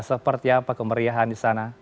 seperti apa kemeriahan di sana